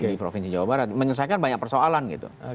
di provinsi jawa barat menyelesaikan banyak persoalan gitu